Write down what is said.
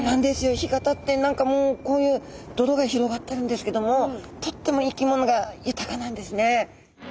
干潟って何かもうこういう泥が広がってるんですけどもとっても生き物が豊かなんですね。